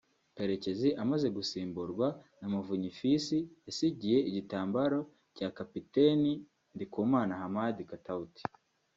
Karekezi amaze gusimburwa na Muvunyi Fils yasigiye igitambaro cya kapiteni Ndikumana Hamadi Katauti